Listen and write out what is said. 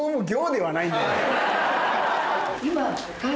今。